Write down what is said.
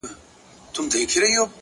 هڅاند انسان د انتظار پرځای حرکت کوي.!